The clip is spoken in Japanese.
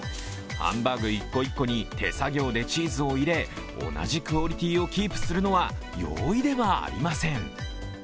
ハンバーグ一個一個に手作業でチーズを入れ同じクオリティーをキープするのは、容易ではありません。